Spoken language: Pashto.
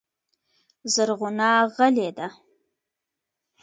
زرغونه غلې ده .